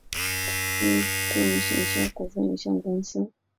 运动行销股份有限公司